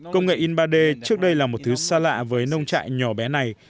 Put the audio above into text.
công nghệ in ba d trước đây là một thứ xa lạ với nông trại nhỏ bé này